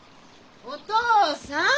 お父さん。